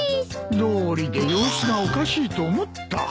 どうりで様子がおかしいと思った。